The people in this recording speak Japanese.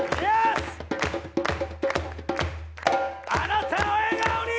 あなたを笑顔に！